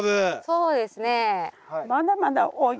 そうですね。